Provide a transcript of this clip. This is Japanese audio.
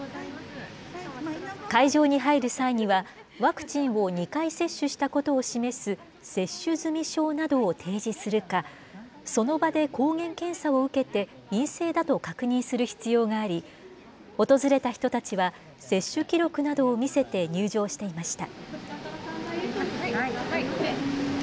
会場に入る際には、ワクチンを２回接種したことを示す接種済証などを提示するか、その場で抗原検査を受けて、陰性だと確認する必要があり、訪れた人たちは、接種記録などを見せて入場していました。